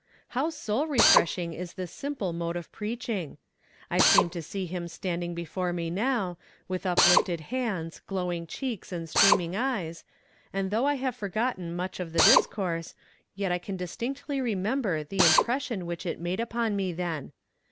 How soul refreshing is this simple mode of preaching! I seem to see him standing before me now, with uplifted hands, glowing cheeks and streaming eyes and though I have forgotten much of the discourse, yet I can distinctly remember the impression which it made upon me then.